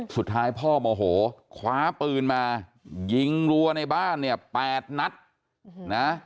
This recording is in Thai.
สุดท้ายพ่อโมโหคว้าปืนมายิงรัวในบ้านเนี่ย๘นัดนะ